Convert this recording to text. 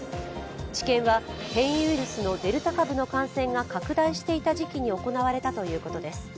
治験は変異ウイルスのデルタ株の感染が拡大していた時期に行われたということです。